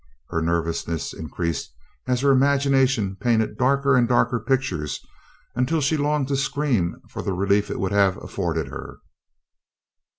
Her nervousness increased as her imagination painted darker and darker pictures until she longed to scream for the relief it would have afforded her.